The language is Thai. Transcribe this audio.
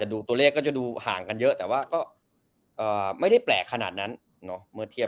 แต่ดูตัวเลขก็จะดูห่างกันเยอะแต่ว่าก็ไม่ได้แปลกขนาดนั้นเนาะเมื่อเทียบ